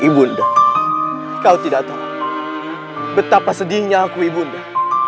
ibu nda kau tidak tahu betapa sedihnya aku ibu nda